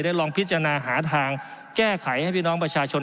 ลองพิจารณาหาทางแก้ไขให้พี่น้องประชาชน